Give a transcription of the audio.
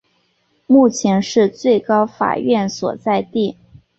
目前是最高法院所在地。